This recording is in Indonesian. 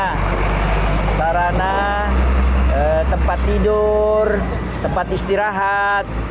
kita siapkan tempat tidur tempat istirahat